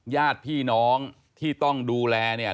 ญาติพี่น้องที่ต้องดูแลเนี่ย